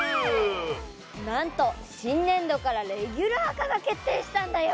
なんとしんねんどからレギュラー化が決定したんだよ！